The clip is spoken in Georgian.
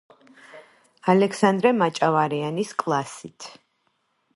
ალექსანდრე მაჭავარიანის კლასით.